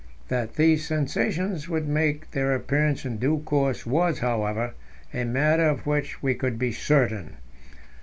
That these sensations would make their appearance in due course was, however, a matter of which we could be certain.